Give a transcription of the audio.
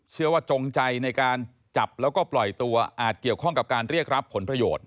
จงใจในการจับแล้วก็ปล่อยตัวอาจเกี่ยวข้องกับการเรียกรับผลประโยชน์